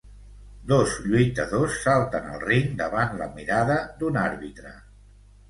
Dos lluitadors salten al ring davant la mirada d'un àrbitre.